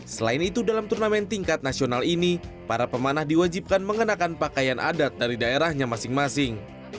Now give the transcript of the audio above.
selain itu dalam turnamen tingkat nasional ini para pemanah diwajibkan mengenakan pakaian adat dari daerahnya masing masing